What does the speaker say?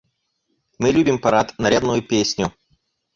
Мы любим парад, нарядную песню.